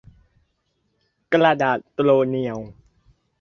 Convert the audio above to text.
กระดาษโรเนียว